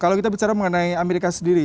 kalau kita bicara mengenai amerika sendiri